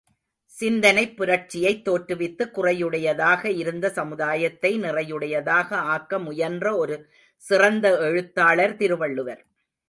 சிந்தனைப் புரட்சியைத் தோற்றுவித்து குறையுடையதாக இருந்த சமுதாயத்தை நிறையுடையதாக ஆக்க முயன்ற ஒரு சிறந்த எழுத்தாளர் திருவள்ளுவர்.